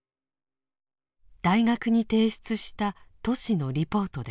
大学に提出したトシのリポートです。